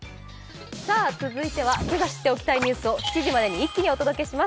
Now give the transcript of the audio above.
続いては今、知っておきたいニュースを７時までに一気にお届けします